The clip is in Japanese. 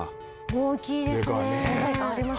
大きいですね。